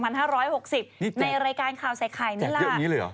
ในรายการข่าวใส่ไข่นี่แหละจัดเยอะนี้เลยเหรอ